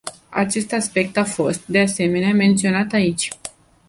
Acest aspect a fost, de asemenea, menționat aici.